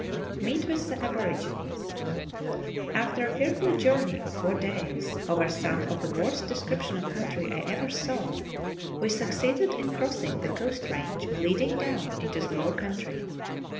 Meet with the Aborigines. After a fearful journey of four days, over some of the worst description of country I ever saw, we succeeded in crossing the coast range leading down into the IOAV country.